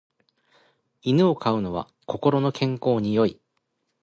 犬を飼うの心の健康に良い